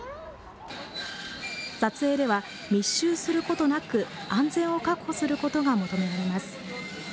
撮影では密集することなく安全を確保することが求められます。